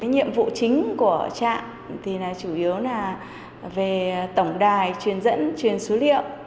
nhiệm vụ chính của trạm thì là chủ yếu là về tổng đài truyền dẫn truyền số liệu